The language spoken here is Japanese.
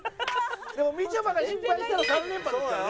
でもみちょぱが失敗したら３連覇ですからね。